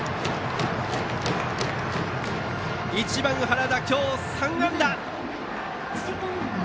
１番の原田、今日３安打！